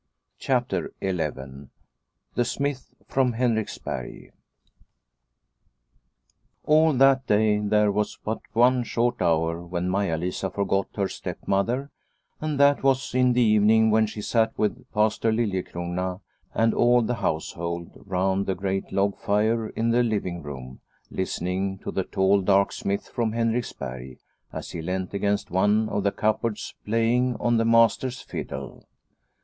CHAPTER XI THE SMITH FROM HENRIKSBERG LL that day there was but one short hour when Maia Lisa forgot her step mother, and that was in the evening when she sat with Pastor Liliecrona and all the house hold round the great log fire in the living room listening to the tall dark smith from Henriksberg, as he leant against one of the cupboards playing on the master's fiddle.